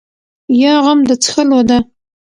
یا غم د څښلو ده.